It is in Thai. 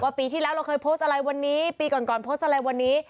ปีที่แล้วเราเคยโพสต์อะไรวันนี้ปีก่อนก่อนโพสต์อะไรวันนี้